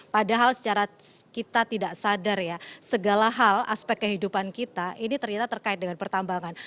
padahal secara kita tidak sadar ya segala hal aspek kehidupan kita ini ternyata terkait dengan pertambangan